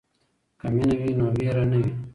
که مینه وي نو وېره نه وي.